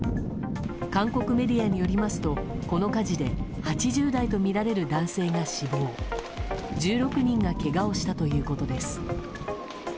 韓国メディアによりますとこの火事で８０代とみられる男性が死亡１６人がけがをしたということです。